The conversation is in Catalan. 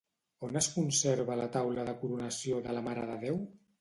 On es conserva la taula de la Coronació de la Mare de Déu?